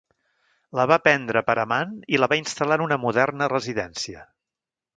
La va prendre per amant i la va instal·lar en una moderna residència.